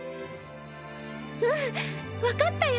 うん分かったよ